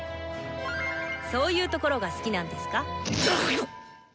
そういうところが好きなんですか？